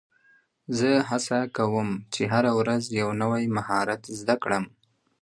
زه هڅه کوم، چي هره ورځ یو نوی مهارت زده کړم.